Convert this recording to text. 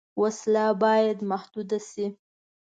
وسله باید محدود شي